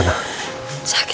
sampai jumpa lagi